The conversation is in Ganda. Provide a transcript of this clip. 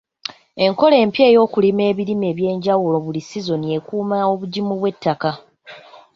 Enkola empya ey'okulima ebirime eby'enjawulo buli sizoni ekuuma obugimu bw'ettaka.